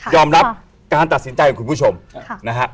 ยอมรับการตัดสินใจของคุณผู้ชมนะครับ